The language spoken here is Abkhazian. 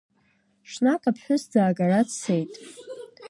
Ҽнак аԥҳәыс ӡаагара дцеит.